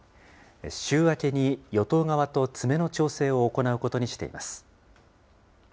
週明けに与党側と詰めの調整を行うことにしています。